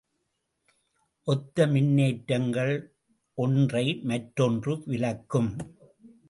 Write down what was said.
ஒத்த மின்னேற்றங்கள் ஒன்றை மற்றொன்று விலக்கும்.